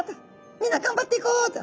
みんな頑張って行こうと。